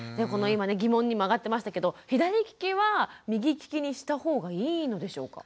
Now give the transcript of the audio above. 今ね疑問にも上がってましたけど左利きは右利きにした方がいいのでしょうか？